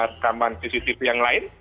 rekaman cctv yang lain